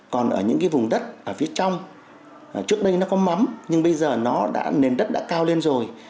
còn ở những cái vùng đất ở phía trong trước đây nó có mắm nhưng bây giờ nó đã nền đất đã cao lên rồi